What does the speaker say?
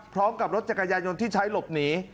พร้อมกับรถจักรยายนที่ใช้หลบหนี